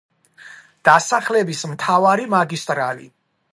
დასახლების მთავარი მაგისტრალი.